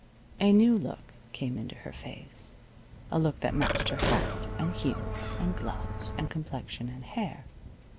A new look came into her face a look that matched her hat, and heels and gloves and complexion and hair.